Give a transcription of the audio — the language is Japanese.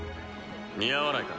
似合わないか？